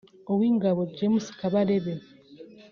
Uw’ingabo James Kabarebe